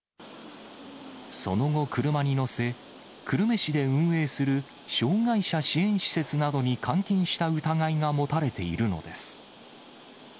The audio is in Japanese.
その後、車に乗せ、久留米市で運営する障がい者支援施設などに監禁した疑いがもたれているのです。